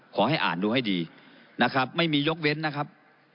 ขอให้อ่านดูให้ดีนะครับไม่มียกเว้นนะครับ